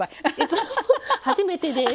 初めてです。